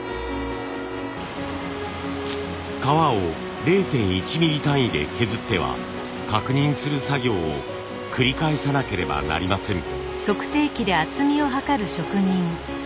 皮を０．１ミリ単位で削っては確認する作業を繰り返さなければなりません。